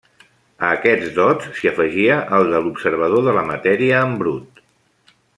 A aquests dots, s'hi afegia el de l'observador de la matèria en brut.